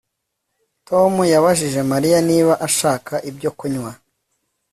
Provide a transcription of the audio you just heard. Tom yabajije Mariya niba ashaka icyo kunywa